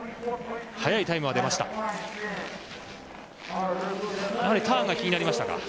早いタイムは出ました。